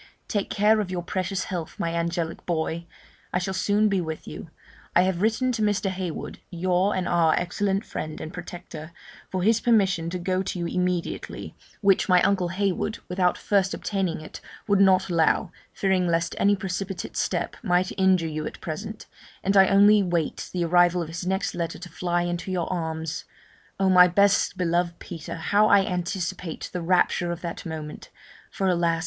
Take care of your precious health, my angelic boy. I shall soon be with you; I have written to Mr. Heywood (your and our excellent friend and protector) for his permission to go to you immediately, which my uncle Heywood, without first obtaining it, would not allow, fearing lest any precipitate step might injure you at present; and I only wait the arrival of his next letter to fly into your arms. Oh! my best beloved Peter, how I anticipate the rapture of that moment! for alas!